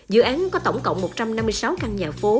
dự án có tổng cộng một trăm năm mươi sáu căn nhà phố